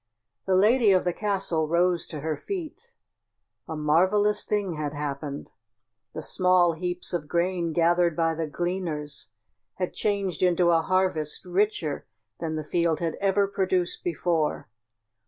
The lady of the castle rose to her feet. A marvelous thing had happened. The small heaps of grain gathered by the gleaners had changed into a harvest richer than the field had ever produced before.